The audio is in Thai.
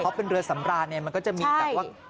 เขาเป็นเรือสำราญเนี่ยมันก็จะมีแต่ว่าใช่